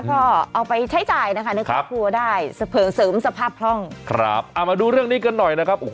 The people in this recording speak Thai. เพราะเขาได้เผื่อเสริมสภาพเรามาดูเรื่องนี้กันอีกหน่อยนะครับ